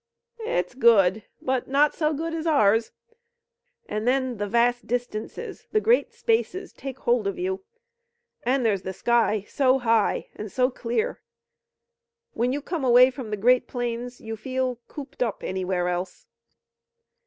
"It's good, but not as good as ours. And then the vast distances, the great spaces take hold of you. And there's the sky so high and so clear. When you come away from the great plains you feel cooped up anywhere else."